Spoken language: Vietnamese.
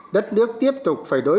đất nước tiếp tục phải đối phó